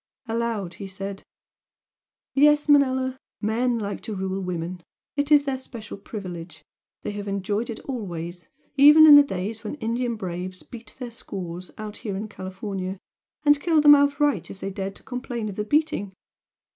Aloud he said "Yes, Manella! men like to rule women. It is their special privilege they have enjoyed it always, even in the days when the Indian 'braves' beat their squaws out here in California, and killed them outright if they dared to complain of the beating!